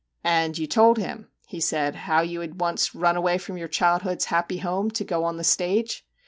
* And you told him/ he said, ' how you had once run away from your childhood's happy home to go on the stage